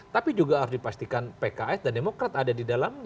tapi juga harus dipastikan pks dan demokrat ada di dalamnya